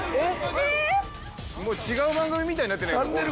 もう違う番組みたいになってないか？